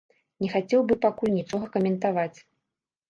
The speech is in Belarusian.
Не хацеў бы пакуль нічога каментаваць.